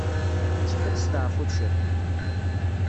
Ttif ad testaɛfuḍ ciṭ.